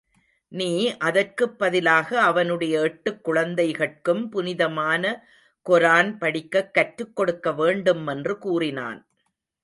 நீ அதற்குப் பதிலாக அவனுடைய எட்டு குழந்தைகட்டும் புனிதமான கொரான் படிக்கக் கற்றுக் கொடுக்க வேண்டும் என்று கூறினான்.